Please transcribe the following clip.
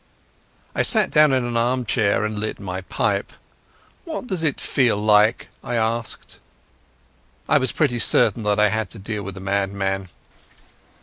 I sat down in an armchair and lit my pipe. "What does it feel like?" I asked. I was pretty certain that I had to deal with a madman.